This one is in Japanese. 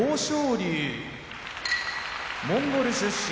龍モンゴル出身